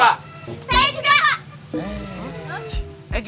saya juga pak